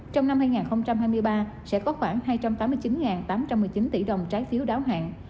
trong năm hai nghìn hai mươi ba sẽ có khoảng hai trăm tám mươi chín tám trăm một mươi chín tỷ đồng trái phiếu đáo hạn